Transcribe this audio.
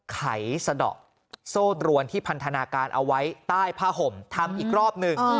ไขสะดอกโซ่ตรวนที่พันธนาการเอาไว้ใต้ผ้าห่มทำอีกรอบหนึ่ง